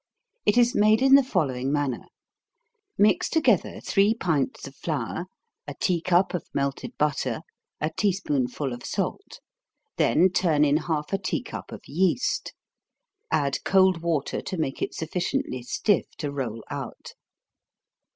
It is made in the following manner mix together three pints of flour, a tea cup of melted butter, a tea spoonful of salt, then turn in half a tea cup of yeast add cold water to make it sufficiently stiff to roll out.